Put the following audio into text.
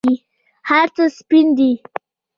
هرڅه سپین دي